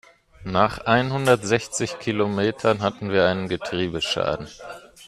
Nach einhundertsechzig Kilometern hatten wir einen Getriebeschaden.